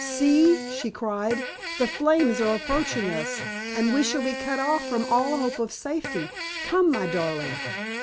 "See!" she cried; "the flames are approaching us, and we shall be cut off from all hope of safety. Come, my darling!"